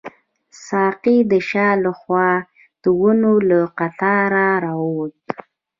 ساقي د شا له خوا د ونو له قطاره راووت.